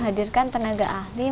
jadi packagingnya estaba kan banyak